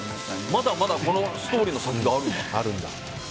まだまだこのストーリーの先があるんだ。